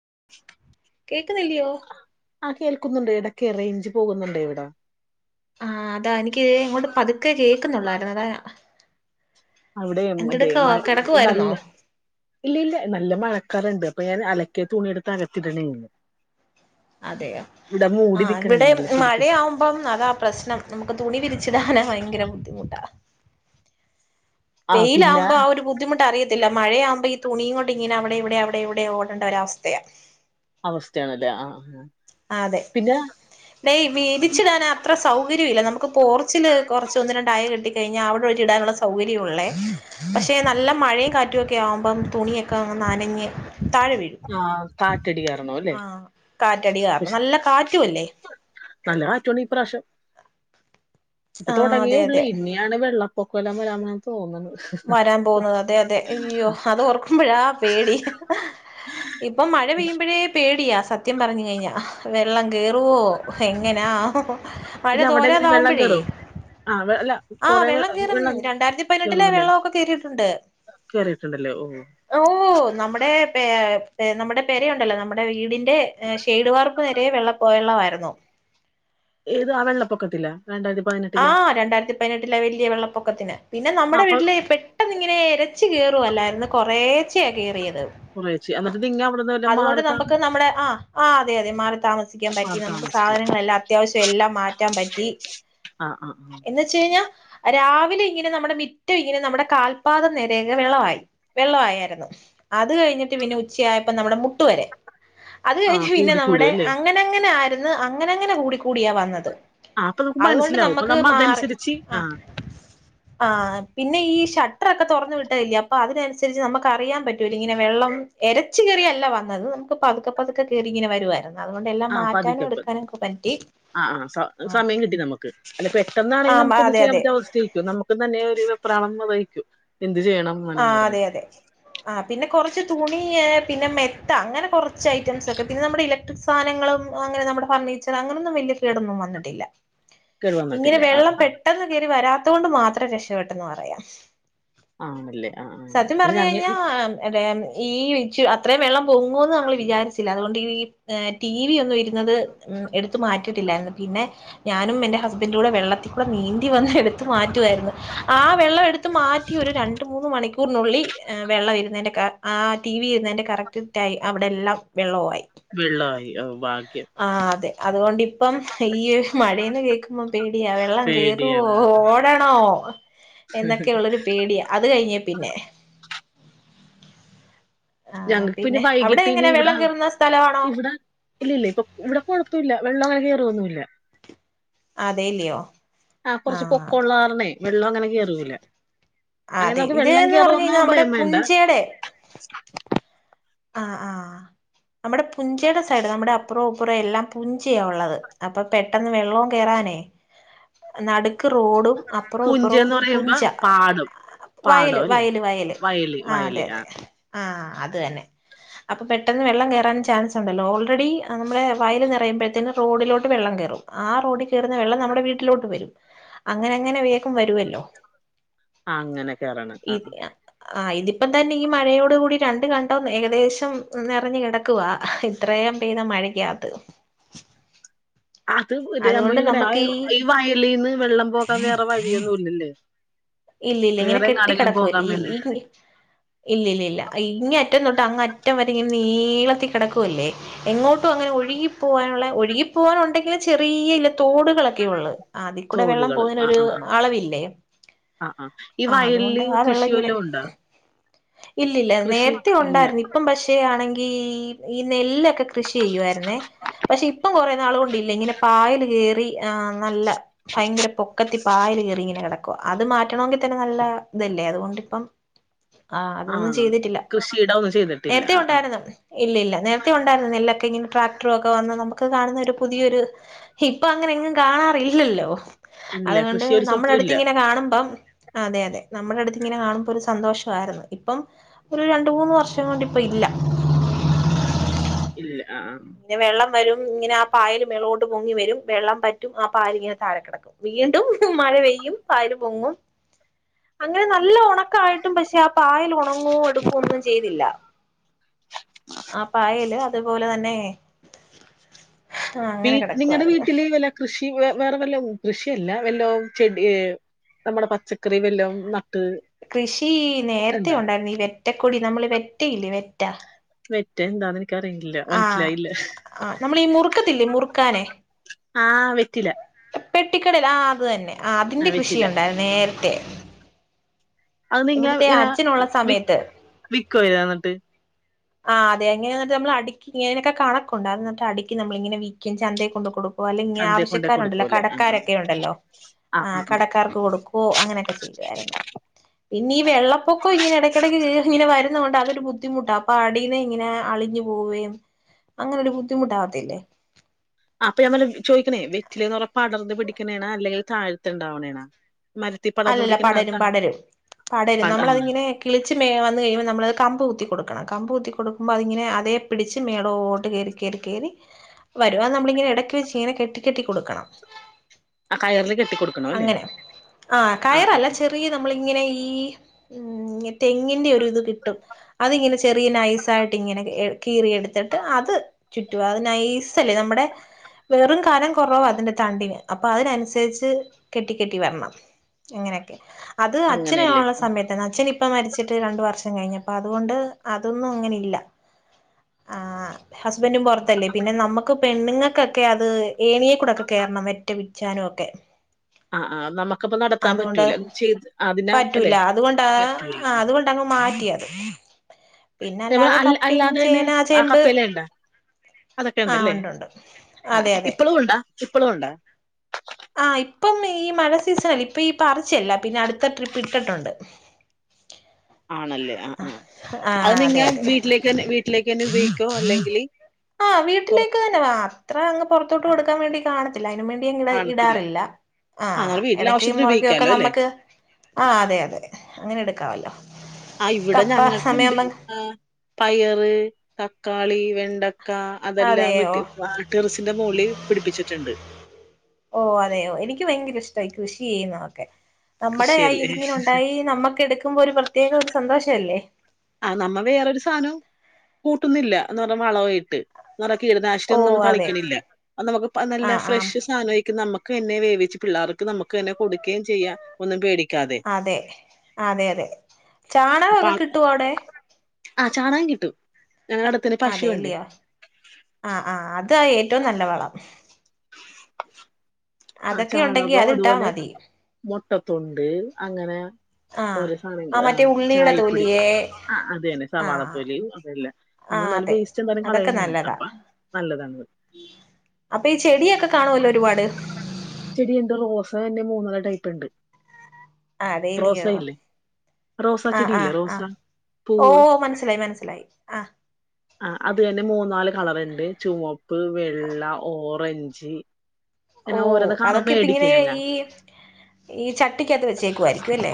[inaudible] കേക്കുന്നില്ലയോ ആ കേൾക്കുന്നുണ്ട് ഇടയ്ക്ക് റേഞ്ച്ിൽ ആഹ അതാ എനിക്ക് എങ്ങോട്ട് പതുക്കെ കേ ുന്നുള്ളായിരുന്നു അതായ അവിടെ അതെഴ നല്ല കിടക്കുവായിരുന്നോ ഇല്ല ഇല്ല നല്ല മഴ ക്കറുണ്ട് അപ്പൊ ഞാൻ അലക്കിയത്ത് തുണിയെടുത്ത് അകത്തിട്ടുണ്ടന്ന് അതെയോ ആഹ ഇവിടെ ശരിക്കും മഴയാവുമ്പം അതാ പ്രശ്നം നമുക്ക് തുണി പിരിച്ചതാണ്െ ഭയങ്കര ബുദ്ധിമുട്ടാ ആഹ് പിന്നെ വെയിലാവുമ്പ ആ ഒരു ബുദ്ധിമുട്ട അറിയത് ത്തില്ല മഴയാകുമ്പോ ഈ തുണിയും കൊണ്ട് ഇങ്ങനെ അവിടെ ഇവിടെ അവിടെ ഇവിടെ ഓടണ്ട ഒര അവസ്ഥയാണ് അവസ്ഥയാണല്ലേ ആഹ ആ ആ അതെ നെയ വിരിച്ചിടാൻ അത്ര സൗകര്യം ഇില്ല നമുക്ക് പോർച്ചല് കുറച്ച ഒന്നിനുണ്ടായ കിട്ടി കഴിഞ്ഞ അവിടെ ഒഴിച്ചി ഇടാനുള്ള സൗകര്യമള്ളേ പക്ഷെ നല്ല മഴയ കാറ്റുമ ഒക്കെ ആവുമ്പം തുണിയൊക്കെ നാനങ്ങ ആഹ കാറ്റടിറണോ അല്ലേ ആഹ് കാറ്റടി കാരണം നല്ല കാറ്റുവല്ലേ തല്ലറ്റോണ്ട് ഇപ്രാവശ്യം ഇപ്പ ആഹ് തുടങ്ങിയേ അതെ അതെ ഉള്ളേ ഇനിയാണ് വെള്ളപ്പൊക്കമ എല്ലാം വരാമെന്ന് തോന്നുന്നത് വരാൻ പോകുന്നത് അതെ അതെ അയ്യോ അത് ഓർക്കുമ്പോഴ ആ പേടി ഇപ്പൊ മഴ പെയ്യുമ്പോഴേ പേടിയാ സത്യം പറഞ്ഞു കഴിഞ്ഞാ വെള്ളം ഗറുവോ എങ്ങനാ വഴ ഇല്ല അവിടെ എങ്ങനെ വെള്ളം തോരാതാവുമ്പോഴേ കേറും ആഹ് അല്ല ആഹ് കൊറെ വെള്ളം കയറും രണ്ടായിരത്തി പതിനെട്ട് കേറും അല്ലേ വെള്ളമൊക്കെ കറിട്ടുണ്ട് കേറിയിട്ടുണ്ടല്ലേ ഓഹ് ഓ നമ്മുടെ പ നമ്മുടെ പേരുണ്ടല്ലോ നമ്മുടെ വീടിന്റെ ഷ്ഡവാാർപ്പ് നേരെ വെള്ള പോയുള്ളവായിരുന്നു ഏത് ആ വെള്ളപ്പൊക്കത്തില്ല ആ രണ്ടായിരത്തി പതിനെട്ടിലെ വല്യ വെള്ളപ്പൊക്കത്തിന് പിന്നെ നമ്മുടെ അപ്പൊ വീട്ടില് പെട്ടെന്നിങ്ങനെ ഇരച്ച് കയറുവല്ലായിരുന്നു കുറേച്ചേ കയറിയത് കുറേച്ചേ എന്നിട്ട് നിങ്ങ അവടെ അതുകൊണ്ട് നമുക്ക് നമ്മുടെ ആ ആ അതെ അതെ മാറി താമസിക്കാൻ പറ്റി മാറി നമുക്ക് താമസിച്ചോ സാധനങ്ങളെല്ലാം അത്യാവശ്യം ല്ല മാറ്റാൻ പറ്റി ആഹ് ആഹ് ആഹ് എന്നുവെച്ച് കഴിഞ്ഞാൽ രാവിലെ ഇങ്ങനെ നമ്മുടെ മിറ്റം ഇങ്ങനെ നമ്മുടെ കാൽപാദം നേരെ വെള്ളമായി വെള്ളമായിരുന്നു അത് കഴിഞ്ഞിട്ട് പിന്നെ ഉച്ചയായപ്പോ നമ്മുടെ മുട്ട് വരെ അത് ആഹ് കഴിഞ്ഞു പിന്നെ കൂടി കൂടി നമ്മുടെ അല്ലേ അങ്ങനെ അങ്ങനെ ആരുന്നു അങ്ങനെ അങ്ങനെ കൂടി കൂടിയാ വന്നത് അപ്പൊ നമുക്ക് അതുകൊണ്ട് മനസ്സിലാവും നമുക്ക് നമ്മ മാറി അതനുസരിച്ച് ആ ആഹ് ആ പിന്നെ ഈ ഷട്ടറൊക്കെ തുറന്നു വിട്ടതല്ലേ അപ്പൊ അതിനനുസരിച്ച് നമുക്ക് അറിയാ പറ്റൂലെ ഇങ്ങനെ വെള്ളം എരച്ച് കയ ല്ല വന്നത് നമുക്ക് പതുക്കെ പതുക്കെ കേറി ഇങ്ങനെ വരുവായിരുന്നു അതുകൊണ്ട് എല്ലാം ആ മാറ്റാനും പത്ക്കെ പത്ക്കെ എടുക്കാനൊക്കെ പറ്റി ആ ആ ആഹ് സമയം കിട്ടി നമുക്ക് അല്ല പെട്ടെന്നാണെങ്കി നമുക്ക് ആഹ് ഒന്നും അതെ ചെയ്യാൻ അതെ പറ്റാത്ത അവസ്ഥയ്രിക്കും നമുക്കും തന്നെ ഒരു വെപ്രാളം വന്നിരിക്കും ആ അതെ അതെ ആ പിന്നെ കുറച്ച് തുണി പിന്നെ മെത്ത അങ്ങനെ കുറച്ച് ഐറ്റംസ് ഒക്കെ പിന്നെ നമ്മുടെ ഇലക്ട്രിക് സാനങ്ങളും അങ്ങന നമ്മടെ ഫർണിച്ചർ അങ്ങനൊന്നും വല്യ കേടൊന്നും വന്നിട്ടില്ല ഇങ്ങനെ കേടുവന്നിട്ടില്ല വെള്ളം ആഹ് പെട്ടെന്ന് കേറി വരാത്തത് കൊണ്ട് മാത്രം രക്ഷപ്പെട്ടെന്ന് പറയാം ആണല്ലേ ആഹ് ആഹ് സത്യം പക്ഷെ പറഞ്ഞു ഞങ്ങ കഴിഞ്ഞാൽ എ ഈ വിച്ചു അത്രയും വെള്ളം പൊങ്ങൂന്ന് നമ്മൾ വിചാരിച്ചില്ല അതുകൊണ്ട് ഈ ടി വി യൊന്നും ഇരുന്നത് എടുത്ത് മാറ്റിയിട്ടില്ലായിരുന്നു പിന്നെ ഞാനും എൻ്റെ ഹസ്ബൻഡും കൂടെ വെള്ളത്തിൽക്കൂടെ നീന്തി വന്ന് എടുത്ത് മാറ്റുവായി ആ വെള്ളം എടുത്ത് മാറ്റി ഒരു രണ്ട് മൂന്ന് മണിക്കൂറിനുള്ളിൽ വെള്ളം ഇരുന്നതിന്റെ ആ ടി വി ഇരുന്നതിൻ്റെ കറക്റ്റായി അവിടെ എല്ലാം വെള്ളവായി വള്ളായി ഓ ഭാഗ്യ ആ അതെ അതുകൊണ്ടിപ്പം ഈ മഴേന്ന് കേക്കുമ്പോ പേടിയാ വെള്ളം കേയറുവോ പേടിയാണ് ഓടണോ എന്നൊക്കെയുള്ളരു പേടിയ അത് കഴിഞ്ഞേ പിന്നെ ആ ഞങ്ങക്ക് പിന്നെ അവിടെ വൈകിട്ട് നി എങ്ങനെ ഇവിടെ വെള്ളം കേറുന്ന സ്ഥലമാണോ ഇവിടെ ഇല്ലില്ല ഇപ്പൊ ഇവിടെ കൊഴപ്പോ ന്നുല്ല വെള്ളം കയറൊന്നുല്ല അതെല്ലയോ ആഹ് ആ കൊറച്ച് പൊക്കൊള്ള കാരണേ വെള്ളം അങ്ങനെ കേറൂല ആ അങ്ങനെ അതെ നമുക്ക് വെള്ളം ഇതെന്നെ പറഞ്ഞു കേറുമെന്ന് കഴിഞ്ഞാ നമ്മുടെ ഭയം വേണ്ട പുഞ്ചടെ ആഹ് ആഹ് നമ്മുടെ പുഞ്ചയുടെ സൈഡ് നമ്മുടെ അപ്പുറോം അപ്പുറം എല്ലാം പുഞ്ചയ ഉള്ളത്. അപ്പൊ പെട്ടെന്ന് വെള്ളവും കയറാനേ നട ക്ക് റോഡും അപ്പറോം ഇപ്പറോം പുഞ്ചയെന്ന് പറയുമ്പോ പുഞ്ച പാടം പാടം വയല് അല്ലേ വയല് വയല് ആ അതെ വയല് അതെ ആഹ് ആ അത് തന്നെ. അപ്പൊ പെട്ടെന്ന് വെള്ളം കേറാൻ ചാൻസ് ഉണ്ടല്ലോ ഓൾറെഡി നമ്മള് വയല് നിറയുമ്പഴത്തേനും റോഡിലോട്ട് വെള്ള വെള്ളം കയറും ആ റോഡി കയറുന്ന വെള്ളം നമ്മുടെ വീട്ടിലോട്ട് വരും. അങ്ങനെ അങ്ങനെ വേഗം വരുവല്ലോ. ആ അങ്ങനെ കേറാണ് ആ ഇ ആ ആ ഇതിപ്പം തന്നെ ഈ മഴയോട് കൂടി രണ്ട് കണ്ടം ഏകദേശം നിറഞ്ഞ് കിടക്കുവാ ഇത്രയും പെയ്ത മഴക്കകത്ത്. അത് ഇത് അതുകൊണ്ട് മുഴുവൻ ആ നമുക്ക് ഇങ്ങനെ ഈ വയലീന്ന് വെള്ളം പോകാൻ വേറെ വഴിയൊന്നുല്ലല്ലേ. ഇല്ല ഇല്ല ഇങ്ങനെ കെട്ടിക്കിടക്കുവല്ലേ ഈ വേണ്ടി ഇല്ല ഇല്ല ഇല്ല ഇങ്ങ അറ്റം തൊട്ട് അങ്ങ് അറ്റം വരെ നി നീളത്തി കിടക്കുവല്ലേ. എങ്ങോട്ടും അങ്ങനെ ഒഴുകി പോകാനുള്ള ഒഴുകി പോകാനുണ്ടെങ്കിലും ചെറിയ തോടുകളൊക്കെ ഉള്ളു അതി കൂടെ വെള്ളം തോടുകള് ആഹ് പോകതിനൊരു ആഹ് ആഹ് അളവില്ലേ. ആഹ് ആഹ് ഈ ആഹ് അതുകൊണ്ട് വയലില് ആ വെള്ള കൃഷി ഇങ്ങനെ വല്ലോം ഉണ്ടോ ഇല്ലില്ല കൃഷി നേരത്തെ ഇല്ല ഉണ്ടായിരുന്നു. ഇപ്പം പക്ഷേ ആണെങ്കിൽ ഈ നെല്ലൊക്കെ കൃഷി ചെയ്യുവായിരുന്നേ. പക്ഷെ ഇപ്പം കൊറേ നാൾ കൊണ്ടില്ലേ ഇങ്ങനെ പായൽ കേറി ആഹ് നല്ല ഭയങ്കര പൊക്കത്തി പയലേ കേറി ഇങ്ങനെ കിടക്ക അത് മ റ്റണെങ്കിൽ തന്നെ നല്ല ഇതല്ലേ അതുകൊണ്ടിപ്പം ആ അതൊന്നും ആഹ് ചെയ്തിട്ടില്ല. കൃഷിയിടം ഒന്നും ചെയ്തിട്ടില്ല നേരത്തെ ആഹ് ആഹ് ഉണ്ടായിരുന്നു ഇല്ല ഇല്ല നേരത്തെ ഉണ്ടായിരുന്നു നെല്ല ഇങ്ങനെ ട്രാക്ടറ ഒക്കെ വന്ന നമുക്ക് കാണുന്ന ഒരു പുതിയൊരു ഇപ്പൊ അങ്ങനെങ്ങും കാണാറില്ലല്ലോ. ഇല്ല അതുകൊണ്ട് കൃഷി ഒരു നമ്മുടെ സ്ഥലത്തും അടുത്ത് ഇല്ല ഇങ്ങനെ കാണുപ്പം അതെ അതെ നമ്മുടെ അടുത്ത് ഇങ്ങനെ കാണുമ്പൊ ഒരു സന്തോഷവായിരുന്നു. ഇപ്പം ഒരു രണ്ട് മൂന്ന് വർഷം കൊണ്ട് ഇപ്പൊ ഇ ഇല്ല ഇല്ല അഹ് ആഹ് ഇങ്ങനെ വെള്ളം വരും ഇങ്ങനെ ആ പായല് മേളോട്ട് പൊങ്ങി വരും വെള്ളം പറ്റും ആ പായൽ ഇങ്ങനെ തായെ കിടക്കും വീണ്ടും മ മഴ പെയ്യും പായൽ പൊങ്ങും അങ്ങനെ നല്ല ഉണക്കായിട്ടും പക്ഷെ അ പായൽ ഉണങ്ങോ എടുക്കോ ഒന്നും ചെയ്തില്ല. ആ പായല് അതുപോലെ തന്നെ വീ അങ്ങനെ നിങ്ങടെ കിടക്കുവായിരുന്നു വീട്ടില് വല്ല കൃഷി വേ വേറെ വല്ലൊ കൃഷിയല്ല വല്ലോ ചെടി നമ്മുടെ പച്ചക്കറി വല്ലൊ ന്ന കൃഷി നേര്തെ ഉണ്ടായിരുന്നു. ഈ വെറ്റക്കൊടി നമ്മള് വെറ്റയില്ലേ വെറ്റ വെറ്റ എന്താന്ന് എനിക് അറിയില്ല. മനസ്സിലായില്ല. ക്കത്തില്ലെ മുറുക്കാനെ ആഹ് വെറ്റില്ല പെട്ടിക്കടേൽ ആഹ് അത് തന്നെ ആഹ് അതിന്റെ കൃഷിയുണ്ടായിരുന്നു നേരത്തെ അഹ് ന്നിങ്ങ ഇവിടുത്തെ ങ്ങനെ അച്ഛനുള്ള വിക് സമയത്ത് വിക്കോ ഇത എന്നിട്ട്? ആഹ് അതെ ങ്ങനെ ന്നെട്ട് നമ്മള് അടിക് ങ്ങനൊകെ കണക്കൊണ്ടാർന്നൊട്ടൊ. അടിക്കും നമ്മള് ങ്ങെനെ വിക്കും ചന്തേ കൊണ്ട് കൊടു ഓഹ് അല്ലെ ചന്തേ കൊണ്ടേ ങ്യാവശ്യക്കാരുണ്ടല്ലൊ കൊടുക്കുവല്ലേ ആഹ് ആഹ് കടക്കാരൊക്കെ ഉണ്ടല്ലോ. ആഹ് കടക്കാർക്ക് കൊടുക്കു അങ്ങനെയൊക്കെ ചെയ്യുവായിര്ന്നേ. പിന്നെ ഈ വെള്ളപ്പൊക്ക ഇങ്ങനെ എടക്കിടയ്ക്ക് കേ ഇങ്ങനെ വരുന്ന കൊണ്ട് അതരു ബുദ്ധിമുട്ടാ. പാടീന്നെ ഇങ്ങനെ അളിഞ്ഞു പോവുകയും അങ്ങനെരു ബുദ്ധിമുട്ടാാവത്തില്ലേ അപ്പൊ യാൻ പർഞ് ചോയ്കുന്നേ വെറ്റിലേന്നർഞ പടർന്ന് പിടിക്കണേണാ അല്ലെങ്കിൽ താഴ്ത് ണ്ടാവണേണാ അല്ലല്ല പടരും പടരും പടരും പട ആഹ് നമ്മളതിങ്ങനെ കിളിച്ച് മേ വന്ന് കഴിയുമ്പോ നമ്മളത് കമ്പ് കു ത്തി കൊടുക്കണം. കമ്പ് കുത്തി കൊടുക്കുമ്പോ അതിങ്ങനെ അതേ പിടിച്ച് മേളോട്ട് കയറി കയറി കയറി വരും അത് നമ്മളിങ്ങനെ ഇടക്ക് വെച്ച് ഇങ്ങനെ കെട്ടി കെട്ടി കൊടുക്കണം. ആ കയറില കെട്ടി കൊടുക്കണ അല്ലേ ആഹ ആഹ് കയറല്ല ആഹ് ചെറിയ നമ്മള ഇങ്ങനെ ഈ ഉ തെങ്ങിന്റെ ഒരു ഇത് കിട്ടും അതിങ്ങനെ ചെറിയ നൈസ ആായിട്ട് ഇങ്ങനെ കീറി എടുത്തിട്ട് അത് ചുറ്റു അത് നൈസല്ലേ നമ്മുടെ വെറും കാലം കുറവാ അതിന്റെ തണ്ടിന് അപ്പൊ അതിനനുസരിച്ച് കെട്ടി കെട്ടി വരണം എങ്ങനെയൊക്കെ അത് അങ്ങനെയല്ലേ അച്ഛനാള്ള സമയത്തന്ന അച്ഛൻപ്പ ഇപ്പ മരിച്ചിട്ട് രണ്ട വർഷം കഴിഞ്ഞു അപ്പ അതുകൊണ്ട് അതൊന്നും അങ്ങനെ ഇല്ല ആഹ് ഹസ്ബൻറും പുറത്തല്ലേ പിന്നെ നമുക്ക് പെണ്ണുങ്ങൾക്കൊക്കെ അത് ഏണിയെക്കൂടെൊക്കെ കയറണം ഒറ്റ വി ാനും ക്കെ ആഹ ആ് നമ്മ പ്പ നടത്താൻ പറ്റൂല ചെയ്ത് അതിനാ പറ്റൂല അല്ലെ അതുകൊണ്ടാ അതുകൊണ്ടങ്ങ് മാറ്റിയത് പിന്നെ എ അല്ലാതെ അ കപ്പയും അല്ലാതെ തന്നെ ചേന ആ ചേമ്പ് കപ്പല ഉണ്ട അതൊക്കെ ആ ഉണ്ടല്ലേ ഉണ്ടുണ്ട് ആ അതെ അതെ ഇപ്പളും ഉണ്ടാ ഇപ്പളും ഉണ്ടാ ആ ഇപ്പം ഈ മഴ സീസണല്ല ഇപ്പ ഈ പറിച്ചല്ല പിന്നെ അടുത്ത ട്രിപ്പ് ഇട്ടിട്ടുണ്ട് ആണല്ലേ ആ ആ ആ അത് അതെ നിങ്ങൻ അതെ വീട്ടിലേക്ക്ന്നെ വീട്ടിലേക്ക് തന്നെ ഉപയോഗിക്കോ അല്ലെങ്കില് ആ വീട്ടിലേക്ക് തന്നെ വാ അത്ര അങ് പുറത്തോട്ട് കൊടുക്കാൻ വേണ്ടി കാണത്തില്ല അതിനന് വേണ്ടി ങ്ങ കാണത്തില്ല ഇടാറില്ല ആ ആഹ നമ്മൾ വീട്ടിലെ ഇടക്കയും ആവശ്യത്തിന് മുറക ഒക്കെ ഉപയോഗിക്കാലോ അല്ലെ നമുക്ക് ആ അതെ അതെ അങ്ങനെ എടുക്കാവല്ലോ ആ ഇവിടെ കപ്പ ഞങ്ങൾക്കുണ്ട് സമയമാവുമ്പ പയറ് തക്കാളി വെണ്ട അതെല്ലാം വിട്ടി അതെയോ ടെറിസിന്റെ മുകളളിൽ പിടിപ്പിച്ചിട്ടുണ്ട് ഓ അതെയയോ എനിക്ക് ഭയങ്കര ഇഷ്ട കൃഷി ചെയ്യുന്നതൊക്കെ നമ്മുടെ ആ കൃഷിയല്ലേ ഇതിങ്ങനെ ഉണ്ടായി നമ്മുക്ക് എടുക്കുമ്പോ ഒരു പ്രത്യേക ഒരു സന്തോഷ അല്ലേ ആ നമ്മ വേറൊരു സാധനം കൂട്ടുന്നില്ല എന്ന് പറഞ്ഞ വളയിട്ട് നിറ കീടനാശിനിയ ഓ ഒന്നുംും അതെ തളിക്കണില്ല നമുക്ക് ആ നല്ല ആ ഫ്രഷ് സാധനംിക്കും നമുക്ക് എന്നെ വേവിിച്ചച്ച് പിള്ളേർക്ക് നമുക്ക് എന്നെ കൊടുക്കുകയും ചെയ്യാം ഒന്നും പേടിക്ക അതെ അതെ അതെ ചാണകമൊക്കെ കിട്ടുവ അവിടെ ആഹ് ചാണൻ കിട്ടും ഞങ്ങളുടെ അടുത്തിന് പശുവുണ്ടേ അതെല്ലയോ ആഹ ആഹ് അത ഏറ്റവും നല്ല വളം ആ അതൊക്കെ ഉണ്ടെങ്കി ചാണകം അതിട്ടാ അതുപോലെ മതി മുട്ടത്തുണ്ട് അങ്ങനെ ആ ഓരോ സധങ്ങൾ ആ മറ്റേ ഉള്ളിയുടെ ചായപ്പൊടി തൊലിയേ ആ അത തന്നെ ആ സവാളത്തൊലി അതല്ല ആ നമ്മൾ നല്ല അതെ വേസ്റ്റ് എന്തായാലും അതൊക്കെ കളയനാണ് നല്ലതാ അപ്പൊ നല്ലതാണത് അപ്പൊ ഈ ചെടിയൊക്കെ കാണുവല്ലോ ഒരുപാട് ചെടി എന്ത റോസ തന്നെ മൂന്നര ടൈപ്പ്ുണ്ട് ആ അതേലയോ റോസാ ആഹ ചെടിയില്ലേ ആഹ് റോസ ആഹ് ഓ പൂവ് മനസ്സിലായി മനസ്സിലായി ആഹ് ആ അത് തന്നെ മൂന്ന നാല് കളർുണ്ട് ചുവപ്പ് വെള്ള ഓറ നറഞ്ച് ഓ അതൊക്കെ ഇപ്പ ഇങ്ങനെ ഈ ഈ ചട്ടിക്കത്ത് വെച്ചേക്കുായിരിക്കും അല്ലേ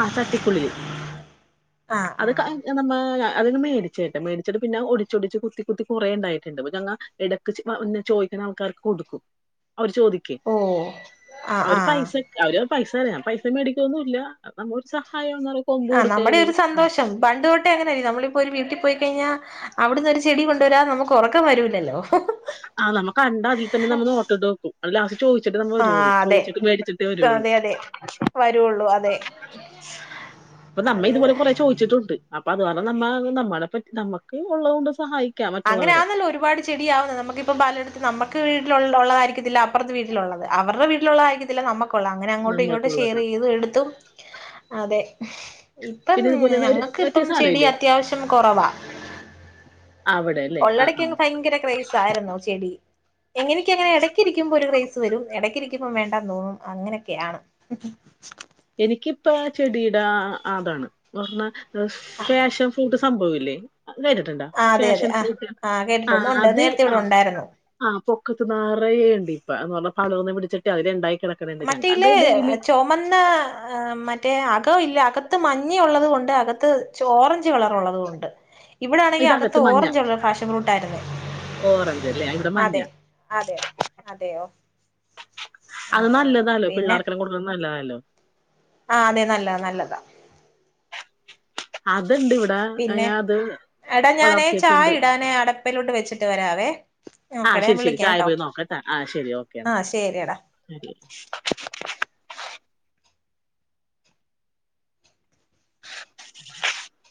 ആ ചട്ടിക്കുള്ളില് ആഹ് അത് ആഹ് നമ്മ ആ അത മേടിച്ചിട്ട് മേടിച്ചിട്ട് പിന്നെ ഒടിച്ചച്ച്ൊടിച്ച് കുത്തി കുത്തി കുറേ ഉണ്ടായിട്ടുണ്ട് ഞങ്ങൾ ഇട ചോദിക്കണ ആൾക്കാർക്ക് കൊടുക്കും അവര് ചോദിക്കേ ഓ ആഹ് അവര് ആഹ് പൈസ അവര് പൈസ അറിയ പൈസ മേടിക്കുവൊന്നുമല്ല നമ്മ ഒരു സഹായം ആ് നമ്മുടെ ഒരു സന്തോഷം പണ്ട് തൊട്ടേ എങ്ങനെയ നമ്മളിപ്പോൊ ഒരു പോയി കഴിഞ്ഞൽ അവിടുന്ന് ഒരു ചെടി കൊണ്ടുവരാം നമുക്ക് കൊറക്ക വരൂല്ലല്ലോ ആ നമ്മ കണ്ടാ അതിൽ തന്നെ നമ്മ നോട്ടിട്ട് വെക്കും അത് ലാസ്റ്റ് ചോദിച്ചിട്ട് നമ്മ വരുള്ളു ചോദിച്ചിട്ട് മേടിച്ചിട്ടേ വരുള്ളു അതെ അതെ വരുള്ളൂ അതെ അപ്പൊ നമ്മ ഇതുപോലെ അത് കൊറെ ചോയ്ച്ചിട്ടുണ്ട് അപ്പൊ അത് പറഞ്ഞ നമ്മ നമ്മളെ പറ്റി നമ്മുക്ക് ഉള്ളത്കൊണ്ട് സഹായിക്കും അങ്ങനെ ആന്നല്ല ഒരുപാട് ചെടിയാവുന്നത് നമ്ക്കിപ്പൊ പലടത്ത് നമുക്ക് വീട്ടള്ളതായിരിക്കത്തില്ല അപ്പുറത്തെ വീട്ടിലുള്ളത് അവരുടെ വീട്ടിലുള്ളള്ളതായിരിക്കത്തില്ല നമുക്ക് ള അങ്ങനെ അങ്ങോട്ടും ഇങ്ങോട്ടും നമ്മൾക്കുള്ളത് ഷെയർ ചെയ്തു എടുത്തും അതെ ഇപ്പം പിന്നെ ഇതുപോലെ ഒരു ഞങ്ങൾക്ക് മറ്റേ ഇപ്പം സാധനം ചെടി ഇല്ലേ അത്യാവശ്യം കുറവാ അവിടെ അല്ലേ ആ ആ ഉള്ളിടയ്ക്ക്ങ്ങ് ഭയങ്കര ക്രേസ് ആയിരുന്നു ചെടി എങ്ങനെയക്ക അങ്ങനെ ഇടയ്ക്കി ഇരിക്കുമ്പോ ഒരു ക്രേസ് വരും ഇടക്കിരിക്കുമ്പം വേണ്ടാ തോന്നും അങ്ങനെയൊക്കെയാണ് എനിക്കിപ്പ ചെടിയുടെ ആതാണ് പറഞ്ഞാ ഫാഷൻ ഫൂട്ട് സംഭവല്ലേ കേട്ടട്ടുണ്ടോ ആ അതെ അതെ ഫാഷൻ ആ ഫൂട്ട ആ കേട്ടിട്ടുണ്ട് ഉണ്ട് അത് നേരത്തെ ആ ഇവിടെ ഉണ്ടായിരുന്നു ആ പൊ നെറെയുണ്ട് ഇപ്പ പറ പന്ന പിടിച്ചിട്ട് അതി രണ്ടായിര മറ്റേല്ല ചൊമന്ന ആ മറ്റേ അകവ ഇല്ല അകത്ത് മഞ്ഞ ഉള്ളത് കൊൊണ്ട് അകത്ത് ഓറഞ്ച് കളറൊള്ളത് കൊൊണ്ട് ഇവിടെ ആണെങ്കിൽ അകത്ത് ഇതകത്ത് മഞ്ഞ ഓറഞ്ച് ഉള്ള ഫാഷൻ ഫ്രൂട്ടായിരുന്നേ ഓറഞ്ച് അല്ലേ ഇവിടെ മഞ്ഞ അതെ അതെതെ അതെയോ ആ അത് നല്ലതല്ലോ പിള്ളേർക്കെ കൂടുതൽ നല്ലതല്ലോ ആഹ അതെ നല്ലത നല്ലതാ അത്ണ്ട് ഇവിടെ പിന്നെ അത് എടാ ഞാനേ ചായ വളർത്തിയിട്ടുണ്ട് ഇടാനേ അടപ്പിലോട്ട് വെച്ചിട്ട് വരാ വേ നമുക്കെട ഞാൻ വിളിക്കാം കേട്ടോ ആഹ ശരി ഓക്കെ ആ ശരിയടാ എന്നാൽ [inaudible]